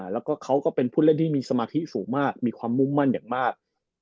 แล้วก็เขาก็เป็นผู้เล่นที่มีสมาธิสูงมากมีความมุ่งมั่นอย่างมาก